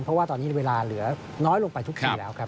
เพราะว่าตอนนี้เวลาเหลือน้อยลงไปทุกทีแล้วครับ